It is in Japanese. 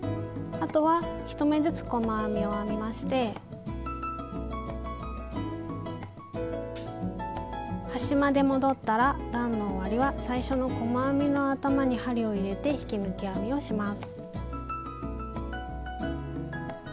あとは端まで戻ったら段の終わりは最初の細編みの頭に針を入れて引き抜き編みをします。